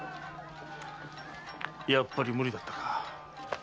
やっぱり無理だったか。